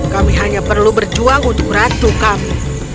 kami hanya perlu berjuang untuk ratu kami